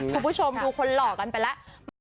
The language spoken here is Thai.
คุณผู้ชมดูคนหล่อกันไปแล้ว